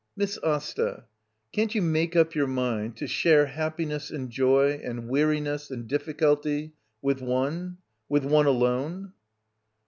Miss Asta — can't you make up your mind to share happiness and joy — and weari ness and difficulty, with one — with one alone?